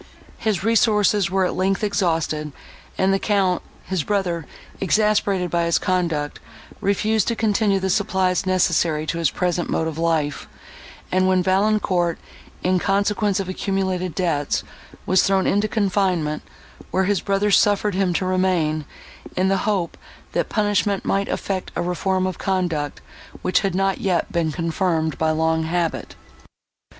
His resources were, at length, exhausted; and the Count, his brother, exasperated by his conduct, refused to continue the supplies necessary to his present mode of life, when Valancourt, in consequence of accumulated debts, was thrown into confinement, where his brother suffered him to remain, in the hope, that punishment might effect a reform of conduct, which had not yet been confirmed by long habit.